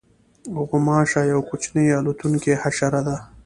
غوماشه یوه کوچنۍ الوتونکې حشره ده.